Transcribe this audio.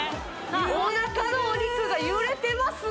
おなかのお肉が揺れてますね